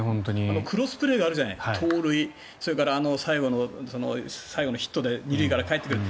クロスプレーあるじゃない、盗塁それから最後のヒットで２塁からかえってくる。